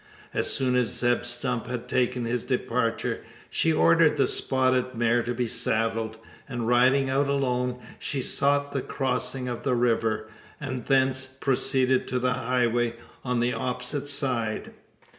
As soon as Zeb Stump had taken his departure, she ordered the spotted mare to be saddled; and, riding out alone, she sought the crossing of the river; and thence proceeded to the highway on the opposite side.